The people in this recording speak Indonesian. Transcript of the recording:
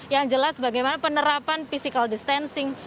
yang jelas bagaimana penerapan physical distancing